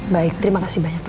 baik terima kasih banyak